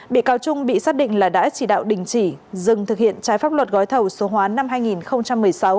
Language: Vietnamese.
bị cáo trung bị xác định là đã chỉ đạo đình chỉ dừng thực hiện trái pháp luật gói thầu số hóa năm hai nghìn một mươi sáu